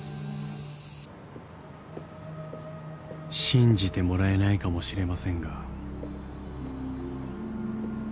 ［信じてもらえないかもしれませんが］